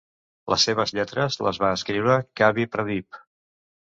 Les seves lletres les va escriure Kavi Pradeep.